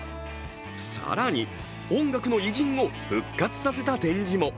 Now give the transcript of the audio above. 更に、音楽の偉人を復活させた展示も。